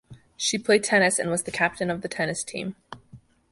She played tennis and was captain of the tennis team.